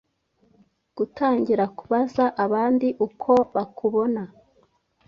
gutangira kubaza abandi uko bakubona